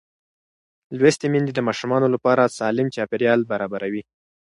لوستې میندې د ماشوم لپاره سالم چاپېریال برابروي.